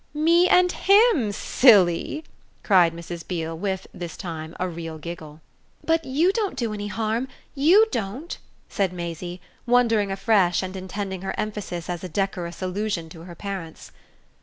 "Me and HIM, silly!" cried Mrs. Beale with, this time, a real giggle. "But you don't do any harm YOU don't," said Maisie, wondering afresh and intending her emphasis as a decorous allusion to her parents.